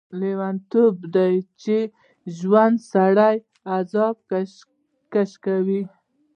لیونتوب دی چې ژوندی سړی عذاب کشه کوي.